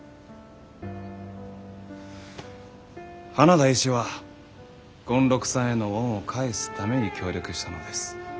花田医師は権六さんへの恩を返すために協力したのです。